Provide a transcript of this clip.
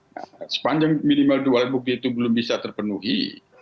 nah sepanjang minimal dua alat bukti itu belum bisa terpenuhi